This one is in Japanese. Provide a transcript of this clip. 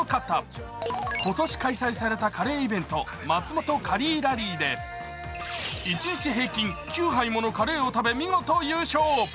今年開催されたカレーイベント、松本カリーラリーで一日平均９杯ものカレーを食べ、見事優勝。